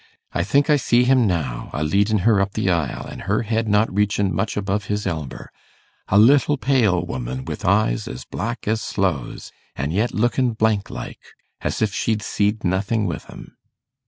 I think I see him now, a leading her up the aisle, an' her head not reachin' much above his elber: a little pale woman, with eyes as black as sloes, an' yet lookin' blank like, as if she see'd nothing with 'em.